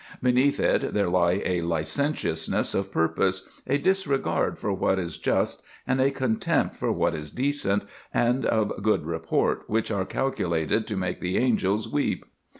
Beneath it there lie a licentiousness of purpose, a disregard for what is just, and a contempt for what is decent and of good report which are calculated to make the angels weep.